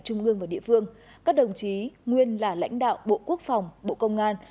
trung ương và địa phương các đồng chí nguyên là lãnh đạo bộ quốc phòng bộ công an